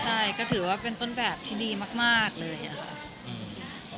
ใช่ก็ถือว่าเป็นต้นแบบที่ดีมากเลยค่ะ